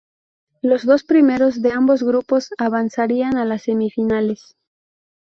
Los dos primeros de ambos grupos avanzarían a las semifinales.